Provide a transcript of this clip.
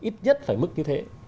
ít nhất phải mức như thế